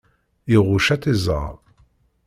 Iɣucc ad tt-iẓer.